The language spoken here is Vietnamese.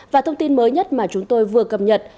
và thông tin mới nhất mà chúng tôi vừa cập nhật